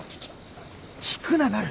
聞くななる！